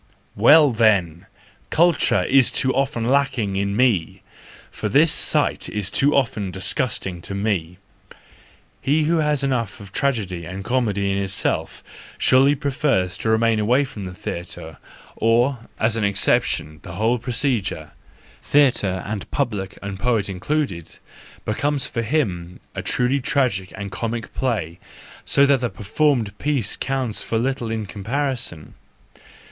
"—Well then! culture is too often lacking in me, for this sight is too often disgusting to me. He who has enough of tragedy and comedy in himself surely prefers to remain away from the theatre; or, as the exception, the whole procedure—theatre and public and poet included—becomes for him a truly tragic and comic play, so that the performed piece counts for little in comparison.